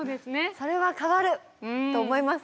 それは変わる！と思います。